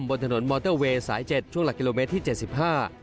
บนถนนมอเตอร์เวย์สายเจ็ดช่วงหลักกิโลเมตรที่เจ็ดสิบห้า